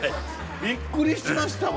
びっくりしましたわ。